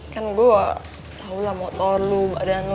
kan gue tau lah motor lo badan lo